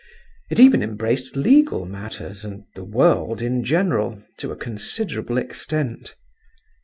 It even embraced legal matters, and the "world" in general, to a considerable extent.